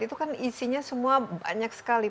itu kan isinya semua banyak sekali